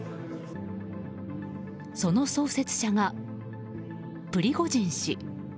その創設者がプリゴジン氏。